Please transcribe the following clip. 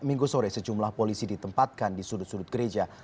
minggu sore sejumlah polisi ditempatkan di sudut sudut gereja